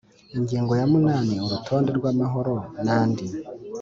Ingingo ya munani Urutonde rw amahoro n andi